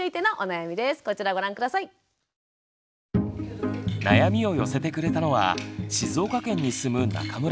悩みを寄せてくれたのは静岡県に住む中村さん。